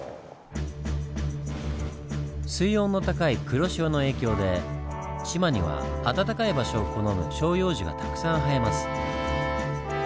水温の高い黒潮の影響で志摩には暖かい場所を好む照葉樹がたくさん生えます。